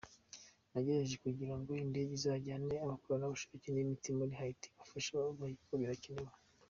Nagerageje kugira ngo indege izajyane abakorerabushake nimiti muri Haiti gufasha abababaye kuko birakenewe.